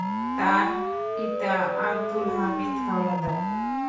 তার পিতা আবদুল হামিদ হাওলাদার।